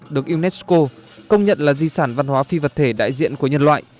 được unesco công nhận là di sản văn hóa phi vật thể đại diện của nhân loại